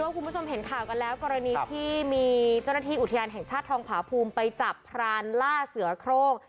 คุณผู้ชมเห็นข่าวกันแล้วกรณีที่มีเจ้าหน้าที่อุทยานแห่งชาติทองผาภูมิไปจับพรานล่าเสือโครง